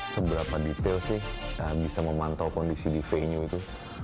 seberapa detail sih bisa memantau kondisi di venue itu